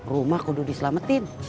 rumah kudu diselamatin